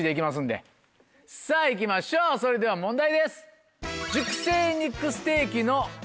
さぁ行きましょうそれでは問題です。